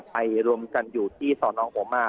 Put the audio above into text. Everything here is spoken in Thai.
ไปรวมกันอยู่ที่ศนโหม่า